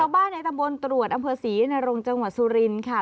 ชาวบ้านในตำบลตรวจอำเภอศรีในโรงจังหวัดสุรินค่ะ